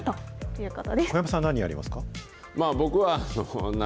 小籔さん、何やりますか？